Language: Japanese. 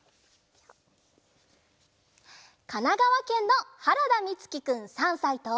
かながわけんのはらだみつきくん３さいと。